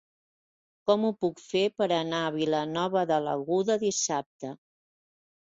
Com ho puc fer per anar a Vilanova de l'Aguda dissabte?